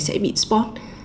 sẽ bị spot